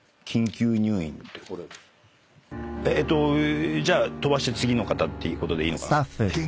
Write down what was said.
えっ⁉えっとじゃあ飛ばして次の方っていうことでいいのかな？